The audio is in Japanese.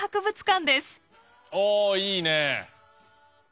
おいいね。